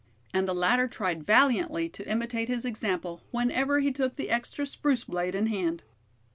And the latter tried valiantly to imitate his example whenever he took the extra spruce blade in hand.